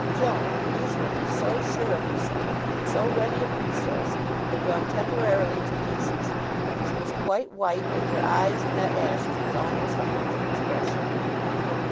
Joan, usually so sure of herself, so ready of resource, had gone temporarily to pieces. She was quite white, and her eyes met Ashe's with almost a hunted expression.